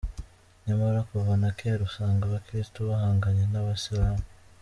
Nyamara kuva na kera, usanga Abakristu bahanganye n’Abasilamu.